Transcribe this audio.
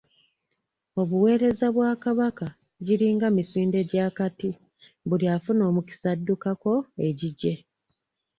Obuweereza bwa Kabaka giringa misinde gy'akati, buli afuna omukisa addukako egigye.